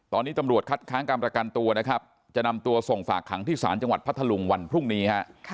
ตอนนี้ตำรวจคัดค้างการประกันตัวนะครับจะนำตัวส่งฝากขังที่ศาลจังหวัดพัทธลุงวันพรุ่งนี้ฮะ